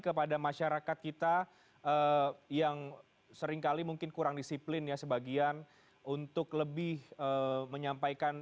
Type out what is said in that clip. kepada masyarakat kita yang seringkali mungkin kurang disiplin ya sebagian untuk lebih menyampaikan